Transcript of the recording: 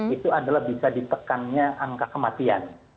itu adalah bisa ditekannya angka kematian